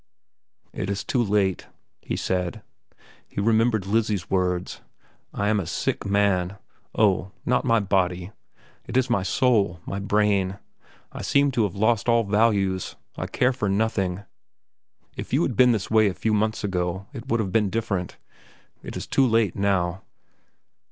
"It is too late," he said. He remembered Lizzie's words. "I am a sick man—oh, not my body. It is my soul, my brain. I seem to have lost all values. I care for nothing. If you had been this way a few months ago, it would have been different. It is too late, now."